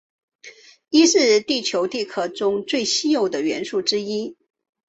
铱是地球地壳中最稀有的元素之一。